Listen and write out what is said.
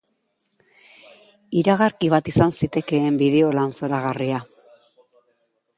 Iragarki bat izan zitekeen bideolan zoragarria.